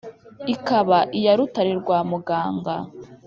Ikaba iya Rutare rwa Muganga.